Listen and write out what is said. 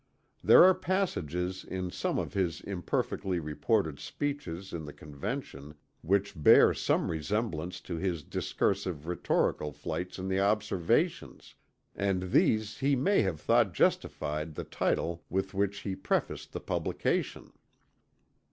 There are passages in some of his imperfectly reported speeches in the Convention which bear some resemblance to his discursive rhetorical flights in the Observations, and these he may have thought justified the title with which he prefaced the publication.